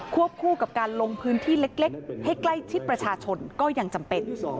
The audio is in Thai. คู่กับการลงพื้นที่เล็กให้ใกล้ชิดประชาชนก็ยังจำเป็น